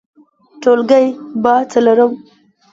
ټولګى : ب څلورم